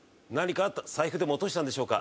財布でも落としたんでしょうか。